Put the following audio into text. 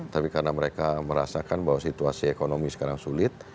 tapi karena mereka merasakan bahwa situasi ekonomi sekarang sulit